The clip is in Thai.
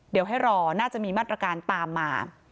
เดี๋ยวให้รอน่าจะมีมาตรการตามมา